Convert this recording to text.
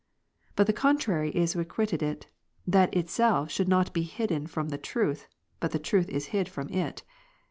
But the contrary is requited it, that itself should not be hidden from the Truth ; but the Truth is hid from it.